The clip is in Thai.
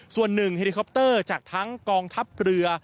ส่วนหนึ่งเฮลิคอปเตอร์จากทั้งกองทัพเรือ